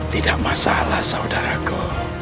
tidak masalah saudaraku